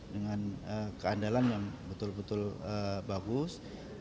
dengan keandalan yang betul betul bagus